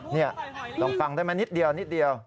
นี่ลองฟังได้ไหมนิดเดียว